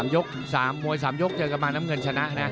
ยก๓มวย๓ยกเจอกันมาน้ำเงินชนะนะ